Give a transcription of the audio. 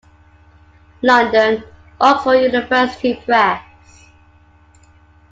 London: Oxford University Press.